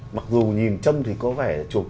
mặc dù nhìn châm thì có vẻ trục